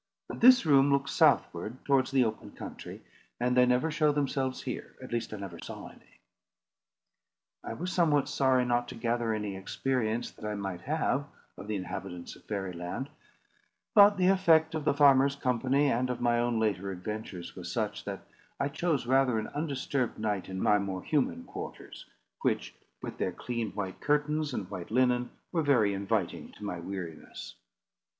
But this room looks southward towards the open country, and they never show themselves here; at least I never saw any." I was somewhat sorry not to gather any experience that I might have, of the inhabitants of Fairy Land; but the effect of the farmer's company, and of my own later adventures, was such, that I chose rather an undisturbed night in my more human quarters; which, with their clean white curtains and white linen, were very inviting to my weariness.